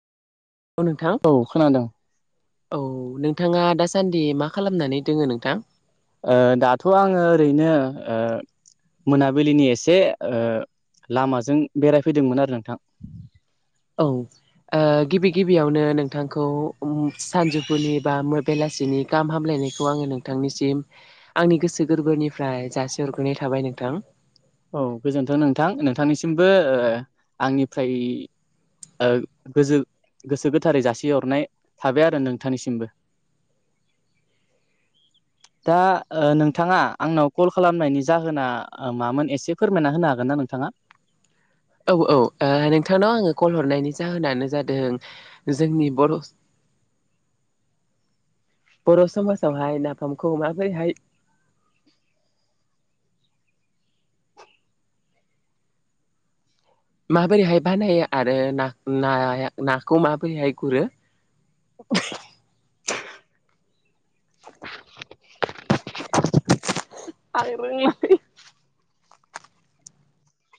औ नोंथां औ खोनादों। औ नोंथाङा दासान्दि मा खालामनानै दोङो नोंथां? ओ दाथ' आङो ओरैनो ओ मोनाबिलिनि एसे ओ लामाजों बेरायफैदोंमोन आरो नोंथां। औ ओ गिबि गिबियावनो नोंथांखौ उम सानजौफुनि बा बेलासिनि गाहाम हामलायनायखौ आङो नोंथांनिसिम आंनि गोसो गोरबोनिफ्राय जासि हरग्रोनाय थाबाय नोंथां। औ गोजोनथों नोंथां नोंथांनिसिमबो ओ आंनिफ्राय ओ गोजो गोसो गोथारै जासिहरनाय थाबाय आरो नोंथांनिसिमबो। [inaudible] दा ओ नोंथाङा आंनाव कल खालामनायनि जाहोना ओ मामोन ए से फोरमायना होनो हागोनना नोंथाङा? औ औ ओ नोंथांनाव आङो कल हरनायनि जाहोनानो जादों जोंनि बर' बर' समाजावहाय नाफामखौ माबोरैहाय माबोरैहाय बानायो आरो ना नाया नाखौ माबोरैहाय गुरो। [unintelligible] [inaudible] आं रोंलालै।